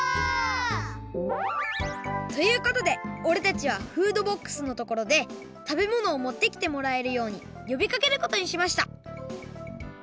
オ！ということでおれたちはフードボックスのところで食べ物を持ってきてもらえるようによびかけることにしました